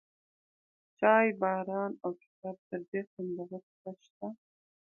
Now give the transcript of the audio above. چای، باران، او کتاب، تر دې خوندور څه شته؟